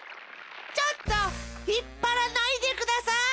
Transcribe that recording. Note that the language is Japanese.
ちょっとひっぱらないでください！